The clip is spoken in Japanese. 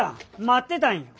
待ってたんや。